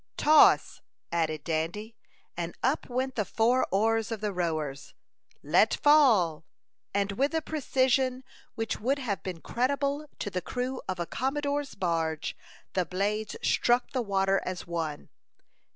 "Toss!" added Dandy; and up went the four oars of the rowers. "Let fall!" and with a precision which would have been creditable to the crew of a commodore's barge, the blades struck the water as one.